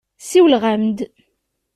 Siwlem-aɣ-d.